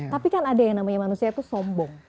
tapi kan ada yang namanya manusia itu sombong